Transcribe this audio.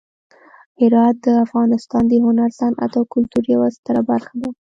هرات د افغانستان د هنر، صنعت او کلتور یوه ستره برخه ده.